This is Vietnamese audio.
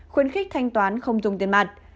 khuyến khích thanh toán không dùng tiền mặt